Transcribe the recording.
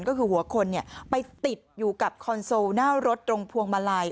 ก็คือหัวคนไปติดอยู่กับคอนโซลหน้ารถตรงพวงมาลัย